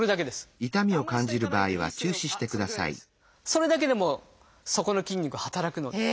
それだけでもそこの筋肉働くので。